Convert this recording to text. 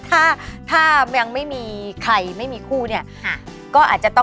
แต่การเงินการเงินน่ะโอ้ยลาบร้อย